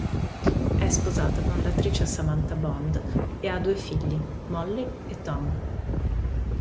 È sposato con l'attrice Samantha Bond e ha due figli, Molly e Tom.